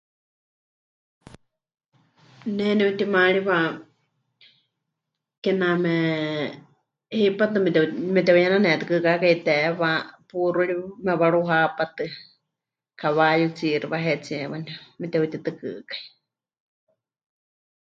Ne nepɨtimaariwa kename hipátɨ meteu... meteuyenanetɨkɨkákai teewa, puuxúri mewaruhapatɨ, kawayutsiixi wahetsíe waníu mepɨteutitɨkɨkai.